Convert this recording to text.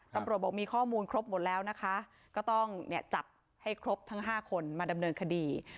ตำรวจบอกมีข้อมูลครบหมดแล้วนะคะก็ต้องจับให้ครบทั้ง๕คนมาดำเนินคดี